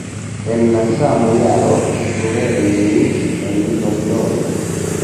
En la sama jaro li plulernis en Londono.